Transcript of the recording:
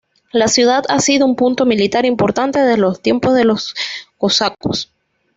La ciudad ha sido un punto militar importante desde los tiempos de los cosacos.